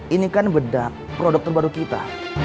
ini kan beda produk terbaru kita